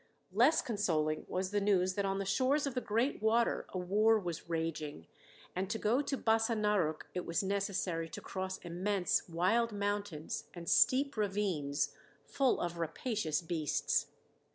Less consoling was the news that on the shores of the great water a war was raging, and to go to Bassa Narok it was necessary to cross immense, wild mountains and steep ravines, full of rapacious beasts.